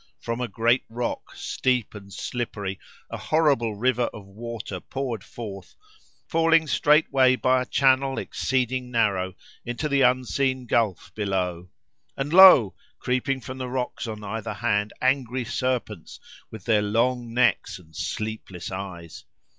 From a great rock, steep and slippery, a horrible river of water poured forth, falling straightway by a channel exceeding narrow into the unseen gulf below. And lo! creeping from the rocks on either hand, angry serpents, with their long necks and sleepless eyes.